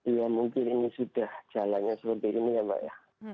ya mungkin ini sudah jalannya seperti ini ya mbak ya